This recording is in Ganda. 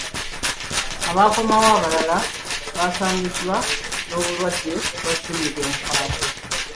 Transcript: Abaakomawo abalala baasangiddwa n'obulwadde bwa ssennyiga omukambwe.